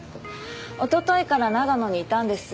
一昨日から長野にいたんです。